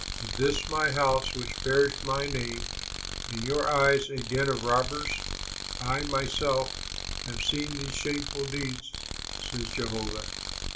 Is this my house, which bears my name, in your eyes a den of robbers? I myself have seen these shameful deeds,' says Jehovah.